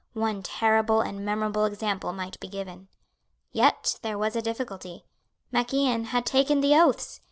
One terrible and memorable example might be given. Yet there was a difficulty. Mac Ian had taken the oaths.